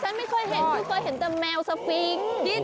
จริงฉันไม่เคยเห็นเคยเห็นแต่แมวสฟิงก์